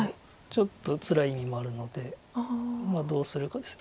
ちょっとつらい意味もあるのでどうするかです。